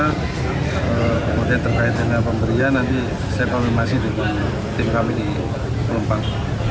kemudian terkait dengan pemberian nanti saya konfirmasi dengan tim kami di pelumpang